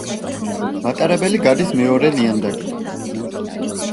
მატარებელი გადის მეორე ლიანდაგიდან.